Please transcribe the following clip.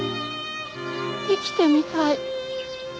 生きてみたい。